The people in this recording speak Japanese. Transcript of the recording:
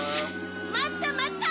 まったまった！